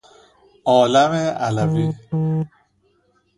عالم علوی